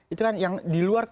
itu kan yang di luar